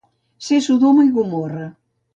Ser Sodoma i Gomorra.